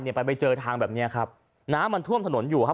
ไปไปเจอทางแบบเนี้ยครับน้ำมันท่วมถนนอยู่ครับ